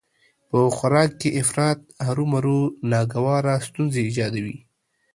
په خوراک کې افراط هرومرو ناګواره ستونزې ايجادوي